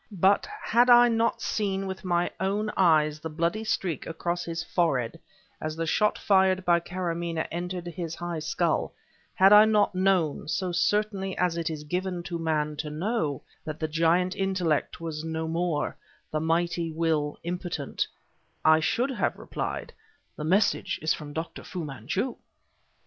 But, had I not seen with my own eyes the bloody streak across his forehead as the shot fired by Karamaneh entered his high skull, had I not known, so certainly as it is given to man to know, that the giant intellect was no more, the mighty will impotent, I should have replied: "The message is from Dr. Fu Manchu!"